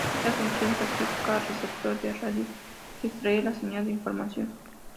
Esta tensión se aplica al receptor de radio, que extrae la señal de información.